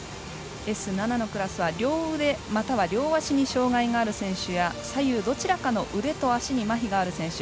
Ｓ７のクラスは両腕、または両足に障がいのある選手や左右どちらかの足にまひがある選手。